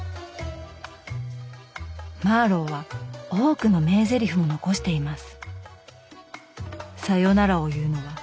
マーロウは多くの名ぜりふも残しています。